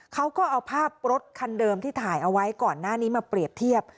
เขาก็เอาภาพรถคันเดิมที่ถ่ายเอาไว้ก่อนหน้านี้มาเปรียบเทียบ